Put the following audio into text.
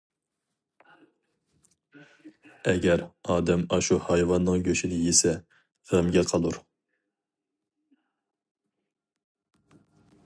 ئەگەر ئادەم ئاشۇ ھايۋاننىڭ گۆشىنى يېسە، غەمگە قالۇر.